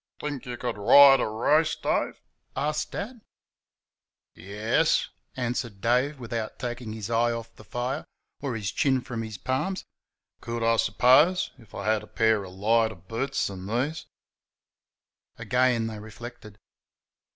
"Think you could ride a race, Dave?" asked Dad. "Yairs," answered Dave, without taking his eyes off the fire, or his chin from his palms "could, I suppose, if I'd a pair o' lighter boots 'n these." Again they reflected.